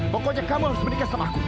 pokoknya kamu harus menikah sama aku